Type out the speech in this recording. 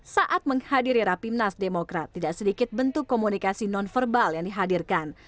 saat menghadiri rapimnas demokrat tidak sedikit bentuk komunikasi non verbal yang dihadirkan